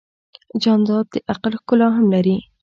جانداد د عقل ښکلا هم لري.